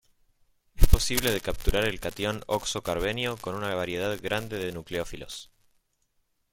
Es posible de capturar el catión oxo-carbenio con una variedad grande de nucleófilos.